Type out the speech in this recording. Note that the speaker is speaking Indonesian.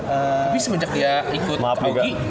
tapi semenjak dia ikut kawgi